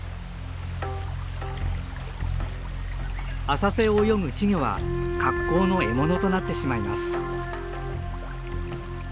浅瀬を泳ぐ稚魚は格好の獲物となってしまいます。